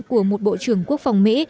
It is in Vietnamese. của một bộ trưởng quốc phòng mỹ